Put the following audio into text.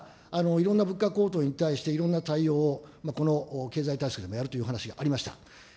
今、総理からいろんな物価高騰に対して、いろんな対応、この経済対策もやるという話がありました。